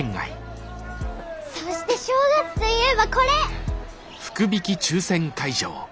そして正月といえばこれ！